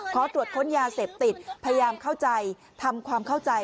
ขอตรวจค้นยาเสพติดพยายามเข้าใจทำความเข้าใจ